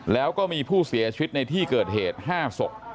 แล้วก็มีผู้เสียชีวิตในที่เกิดเหตุ๕ศพ